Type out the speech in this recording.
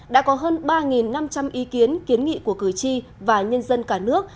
đã có hơn ba năm trăm linh ý kiến kiến nghị của cử tri và nhân dân cả nước